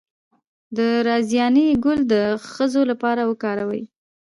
د رازیانې ګل د ښځو لپاره وکاروئ